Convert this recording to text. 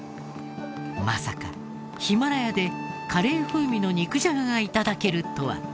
まさかヒマラヤでカレー風味の肉じゃがが頂けるとは。